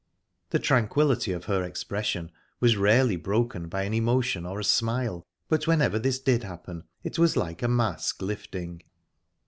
The tranquillity of her expression was rarely broken by an emotion or a smile, but whenever this did happen it was like a mask lifting.